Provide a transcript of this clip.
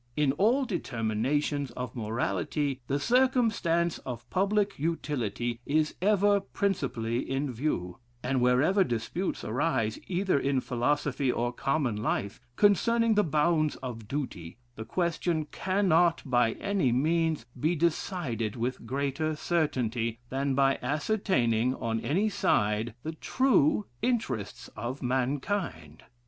In all determinations of morality, the circumstance of public utility, is ever principally in view; and wherever disputes arise, either in philosophy or common life, concerning the bounds of duty, the question cannot, by any means, be decided with greater certainty, than by ascertaining, on any side, the true interests of mankind.